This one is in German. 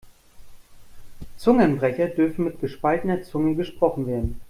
Zungenbrecher dürfen mit gespaltener Zunge gesprochen werden.